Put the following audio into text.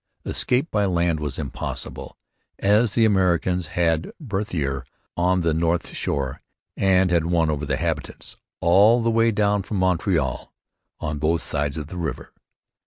Escape by land was impossible, as the Americans held Berthier, on the north shore, and had won over the habitants, all the way down from Montreal, on both sides of the river.